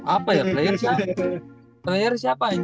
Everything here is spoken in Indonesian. apa ya player siapa player siapa anjing